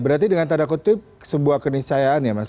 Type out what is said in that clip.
saya kira kutip sebuah kenisayaan ya mas